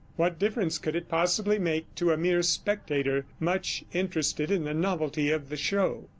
What difference could it possibly make to a mere spectator, much interested in the novelty of the show?